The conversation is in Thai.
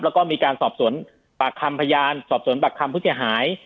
แล้วก็มีการสอบสวนปากคำพยานสอบสวนปากคำผู้เสียหาย